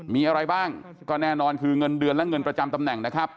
มีอะไรบ้างก็แน่นอนคือเงินเดือนและเงินประจำตำแหน่งนะครับ